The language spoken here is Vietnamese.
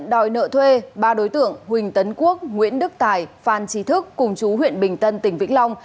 đòi nợ thuê ba đối tượng huỳnh tấn quốc nguyễn đức tài phan trí thức cùng chú huyện bình tân tỉnh vĩnh long